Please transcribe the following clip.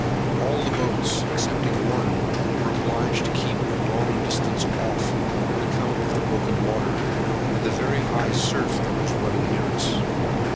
All the boats, excepting one, were obliged to keep a long distance off on account of the broken water, and the very high surf that was running near us.